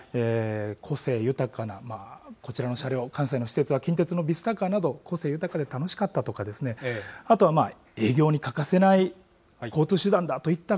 個性豊かなこちらの車両、関西の私鉄は近鉄のビスタカーなど、個性豊かで楽しかったですとか、あとはまあ、営業に欠かせない交通手段だといった